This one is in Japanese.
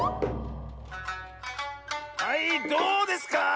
はいどうですか？